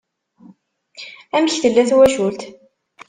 Amek tella twacult?